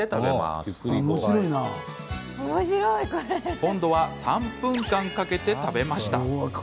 今度は３分間かけて食べました。